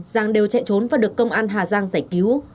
giang đều chạy trốn và được công an hà giang giải cứu